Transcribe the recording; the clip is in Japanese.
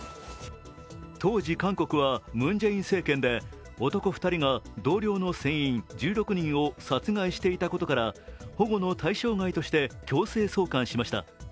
当時、韓国はムン・ジェイン政権で男２人が同僚の船員１６人を殺害していたことから保護の対象外として強制送還しました。